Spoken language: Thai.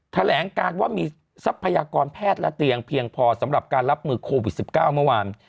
แถลงการว่ามีทรัพยากรแพทย์และเตียงเพียงพอสำหรับการรับมือโควิด๑๙เมื่อวาน